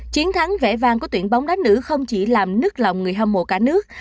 chiến thắng vẽ vang của tuyển bóng đá nữ không chỉ làm nứt lòng người hâm mộ cả nước